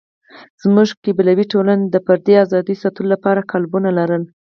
زموږ قبیلوي ټولنه د فردي آزادیو ساتلو لپاره قالبونه لرل.